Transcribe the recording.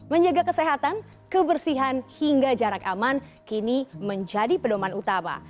menjaga kesehatan kebersihan hingga jarak aman kini menjadi pedoman utama